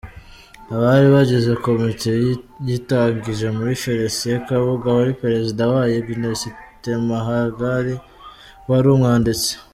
Abari bagize komite yayitangije ni Felicien Kabuga wari Perezida wayo, Ignace Temahagari wari umwanditsi.